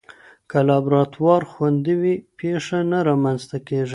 که لابراتوار خوندي وي، پېښه نه رامنځته کېږي.